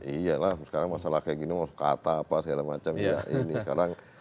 iya lah sekarang masalah kayak gini mau kata apa segala macam ya ini sekarang